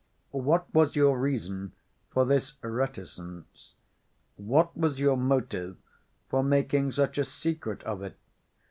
"What was your reason for this reticence? What was your motive for making such a secret of it?